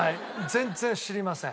全然知りません。